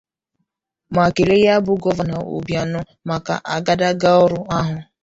ma kelee ya bụ Gọvanọ Obianọ maka agadaga ọrụ ahụ